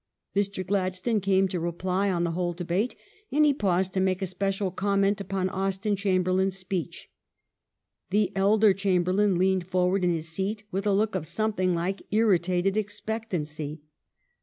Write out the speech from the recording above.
Mr. Gladstone came to reply on the whole debate, and he paused to make a special comment upon Austin Chamberlains speech. The elder Chamberlain leaned forward in his seat with a look of something like irritated expectancy.